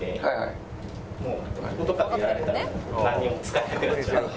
こことかにいられたらなんにも使えなくなっちゃうんで。